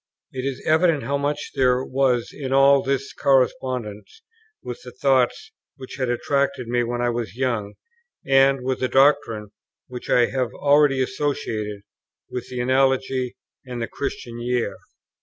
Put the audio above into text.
It is evident how much there was in all this in correspondence with the thoughts which had attracted me when I was young, and with the doctrine which I have already associated with the Analogy and the Christian Year.